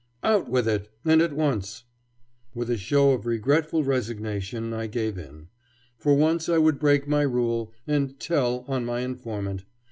Out with it, and at once. With a show of regretful resignation I gave in. For once I would break my rule and "tell on" my informant.